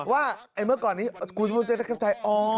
ว่าเมื่อก่อนนี้คุณผู้ชมจะได้เข้าใจ